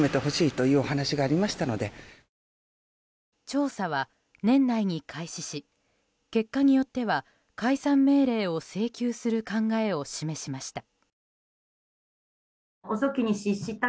調査は、年内に開始し結果によっては解散命令を請求する考えを示しました。